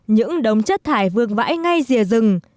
những đống chất thải vương vãi ngay dìa rừng